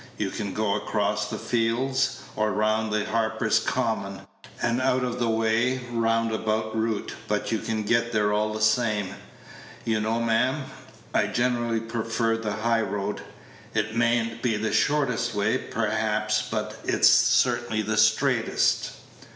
You can go across the fields, or round by Harper's Common, an out of the way, roundabout route, but you get there all the same, you know, ma'am. I generally prefer the high road. It may n't be the shortest way, perhaps, but it's certainly the straightest."